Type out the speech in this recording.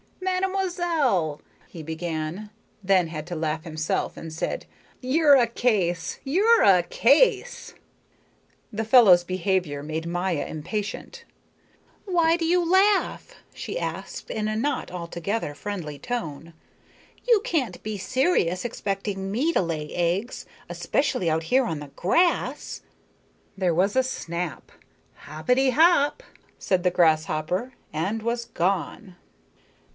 "Mademoiselle," he began, then had to laugh himself, and said: "You're a case! You're a case!" The fellow's behavior made Maya impatient. "Why do you laugh?" she asked in a not altogether friendly tone. "You can't be serious expecting me to lay eggs, especially out here on the grass." There was a snap. "Hoppety hop," said the grasshopper, and was gone.